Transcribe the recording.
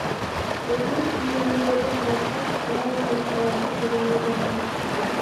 Өкмөт күнөөлүүлөргө карата катаал чараларды көрүүнү убада кылган.